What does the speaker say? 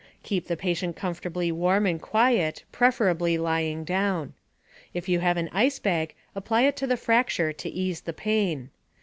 Keep the patient comfortably warm and quiet, preferably lying down. If you have an ice bag, apply it to the fracture to ease the pain.